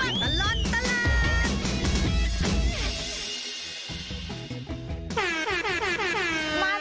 ช่วงตลอดตลาด